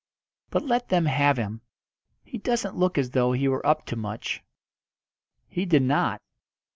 But let them have him. He doesn't look as though he were up to much." He did not.